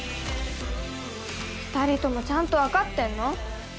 ２人ともちゃんとわかってんの？